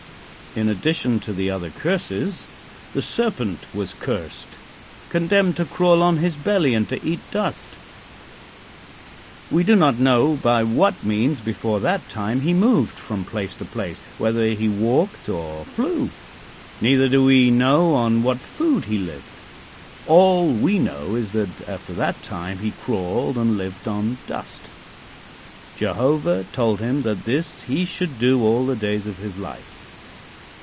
In addition to the other curses the Serpent was cursed condemned to crawl on his belly and to eat dust. We do not know by what means, before that time, he moved from place to place whether he walked or flew; neither do we know on what food he lived; all we know is that after that time he crawled and lived on dust. Jehovah told him that this he should do all the days of his life.